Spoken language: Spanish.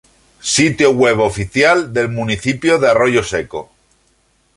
Sitio Web Oficial del Municipio de Arroyo Seco